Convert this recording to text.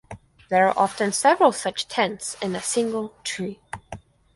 There are often several such tents in a single tree.